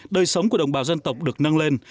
đời sống của đồng bào dân tộc được nâng lên